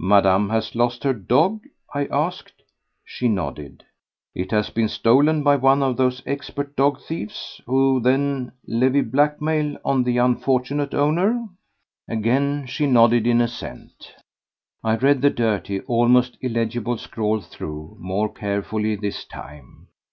"Madame has lost her dog?" I asked. She nodded. "It has been stolen by one of those expert dog thieves, who then levy blackmail on the unfortunate owner?" Again she nodded in assent. I read the dirty, almost illegible scrawl through more carefully this time.